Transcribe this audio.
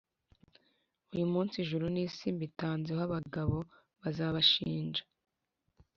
uyu munsi, ijuru n’isi mbitanzeho abagabo bazabashinja :